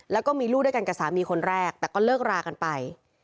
แล้วก็มีลูกด้วยกันกับสามีคนแรกแต่ก็เลิกรากันไป